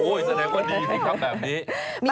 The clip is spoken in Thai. แสดงว่าดีสิครับแบบนี้